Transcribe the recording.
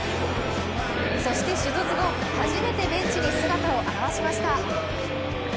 そして手術後、初めてベンチに姿を現しました。